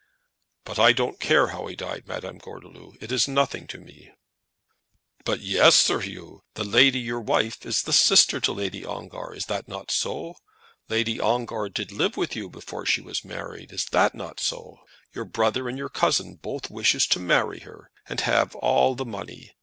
"But I don't care how he died, Madame Gordeloup. It is nothing to me." "But yes, Sir 'Oo. The lady, your wife, is the sister to Lady Ongar. Is not that so? Lady Ongar did live with you before she was married. Is not that so? Your brother and your cousin both wishes to marry her and have all the money.